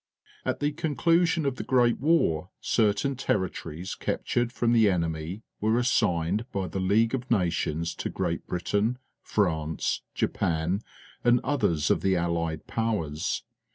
At the conclusion of the Great War certain territories captured from the enemy were assigned by the League of Nations to Great Britain, France, Japan, and others of the allied powers.